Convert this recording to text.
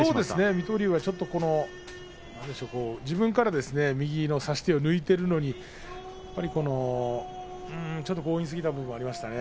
水戸龍は自分から右の差し手を抜いているのにちょっと強引すぎたところがありましたね。